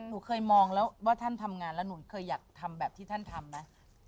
หนูเคยมองแล้วว่าท่านทำงานแล้วหนูเคยอยากทำแบบที่ท่านทำไหม